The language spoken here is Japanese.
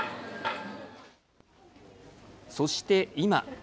そして今。